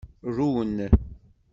Run.